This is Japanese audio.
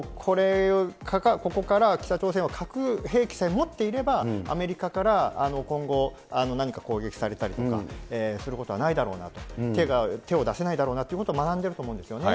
ここから、北朝鮮は核兵器さえ持っていれば、アメリカから今後、何か攻撃されたりとかすることはないだろう、手を出せないだろうなということを学んでると思うんですよね。